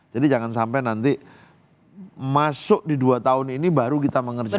jadi jangan sampai nanti masuk di dua tahun ini baru kita mengerjakan